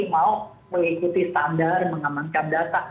mau mengikuti standar mengamankan data